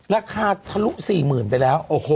ราคาทะลุ๔๐๐๐๐ไปแล้ว